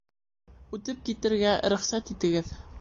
Үтеп китергә рөхсәт итегеҙ